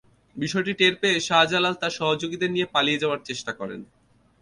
বিষয়টি টের পেয়ে শাহজালাল তাঁর সহযোগীদের নিয়ে পালিয়ে যাওয়ার চেষ্টা করেন।